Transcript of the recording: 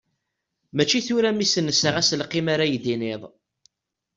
Mačči tura mi ssenseɣ aselkim ara yi-d-tiniḍ.